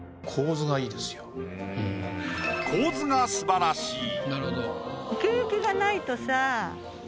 構図が素晴らしい。